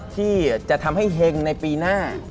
ที่จะทำให้เฮงในปีหน้า